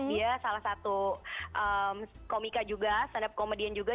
dia salah satu komika juga stand up komedian juga